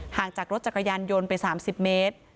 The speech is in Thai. ห่างจากรถจักรยานยนต์ไป๓๐เมตร